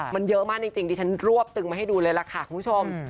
มันเยอะมากจริงดิฉันรวบตึงมาให้ดูเลยล่ะค่ะคุณผู้ชม